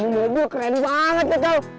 mobil keren banget ya kel